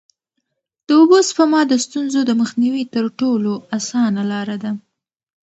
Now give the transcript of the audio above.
د اوبو سپما د ستونزو د مخنیوي تر ټولو اسانه لاره ده.